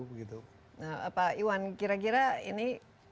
nah pak iwan kira kira ini